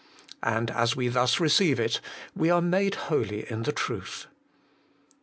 And as we thus receive it, we are made holy in the Truth.